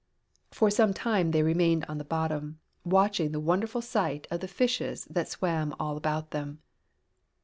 For some time they remained on the bottom, watching the wonderful sight of the fishes that swam all about them.